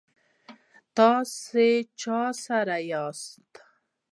تاسو چا سره یاست؟